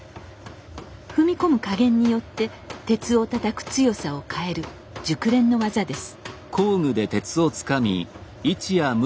踏み込む加減によって鉄をたたく強さを変える熟練の技です。